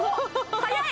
早い！